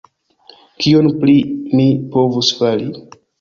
Kion pli mi povus fari?